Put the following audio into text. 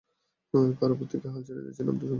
কার উপর থেকে হাল ছেড়ে দিয়েছি নামটা শুনতে চাও?